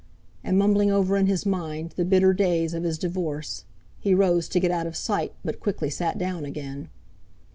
And mumbling over in his mind the bitter days of his divorce, he rose to get out of sight, but quickly sat down again.